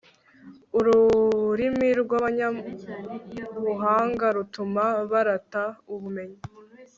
ururimi rw'abanyabuhanga rutuma barata ubumenyi